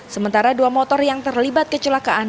sementara dua motor yang terlibat kecelakaan